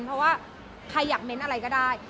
เพราะว่าใครอยากเม้นต์อะไรก็ได้